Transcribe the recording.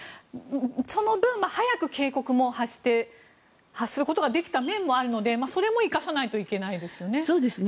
その分、早く警告も発することができた面もあるのでそれも生かさないといけないですよね。